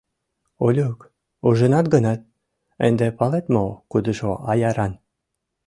— Олюк, ужынат гынат, ынде палет мо, кудыжо аяран?